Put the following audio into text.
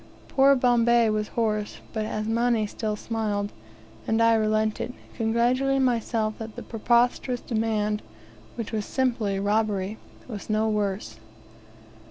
Poor Bombay was hoarse, but Asmani still smiled; and I relented, congratulating myself that the preposterous demand, which was simply robbery, was no worse.